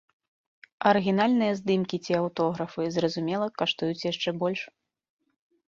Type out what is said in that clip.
Арыгінальныя здымкі ці аўтографы, зразумела, каштуюць яшчэ больш.